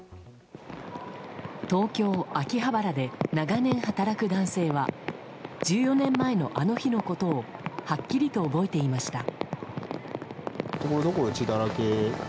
東京・秋葉原で長年働く男性は１４年前のあの日のことをはっきりと覚えていました。